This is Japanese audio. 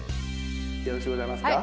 よろしゅうございますか？